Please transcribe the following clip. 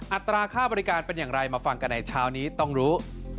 อัตราค่าบริการเป็นอย่างไรมาฟังกันในเช้านี้ต้องรู้